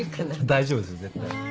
大丈夫ですよ絶対。